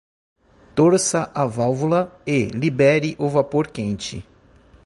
Torça a válvula e libere o vapor quente.